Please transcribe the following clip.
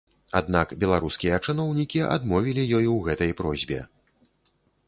Аднак беларускія чыноўнікі адмовілі ёй у гэтай просьбе.